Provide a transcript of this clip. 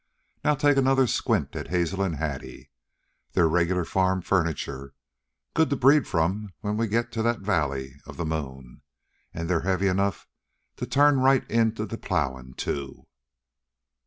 Now take another squint at Hazel an' Hattie. They're regular farm furniture, good to breed from when we get to that valley of the moon. An' they're heavy enough to turn right into the plowin', too."